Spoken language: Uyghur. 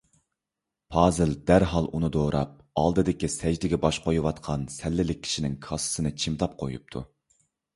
پازىل دەرھال ئۇنى دوراپ، ئالدىدىكى سەجدىگە باش قويۇۋاتقان سەللىلىك كىشىنىڭ كاسىسىنى چىمدىپ قويۇپتۇ.